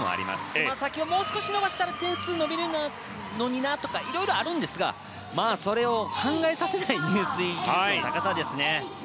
つま先をもう少し伸ばしたら点数伸びるのになとかいろいろあるんですがそれを考えさせない入水の質の高さですね。